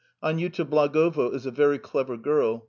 Aniuta Blagovo is a very clever girl.